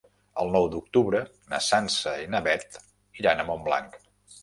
El nou d'octubre na Sança i na Beth iran a Montblanc.